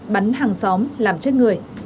bắn hàng xóm làm chết người